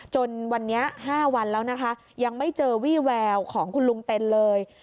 จนวันนี้๕วันแล้วนะคะยังไม่เจอวี่แววของคุณลุงเต็นเลย